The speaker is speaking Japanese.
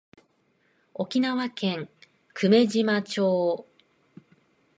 沖縄県久米島町